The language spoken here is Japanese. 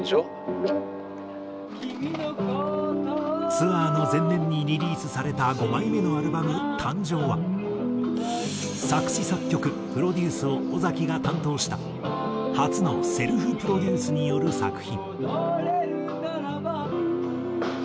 ツアーの前年にリリースされた５枚目のアルバム『誕生』は作詞作曲プロデュースを尾崎が担当した初のセルフプロデュースによる作品。